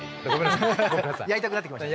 やりたくなってきましたね。